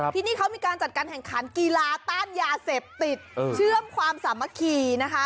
ที่นี่เขามีการจัดการแข่งขันกีฬาต้านยาเสพติดเชื่อมความสามัคคีนะคะ